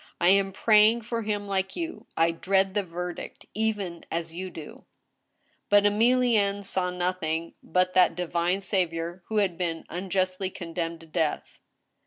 I am praying for him, like you. I dread the verdict even as you do !" But Emilienne saw nothing but that divine Saviour, who had been unjustly condemned to death.